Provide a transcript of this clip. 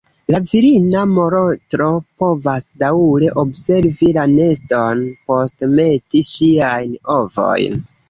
La virina molotro povas daŭre observi la neston post meti ŝiajn ovojn.